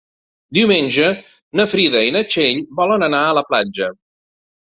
Diumenge na Frida i na Txell volen anar a la platja.